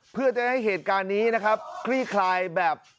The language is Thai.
เพื่อจะได้เหตุการณ์นี้นะครับคลี่คลายแบบ